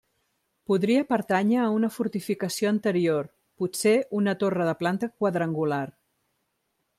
Podria pertànyer a una fortificació anterior, potser una torre de planta quadrangular.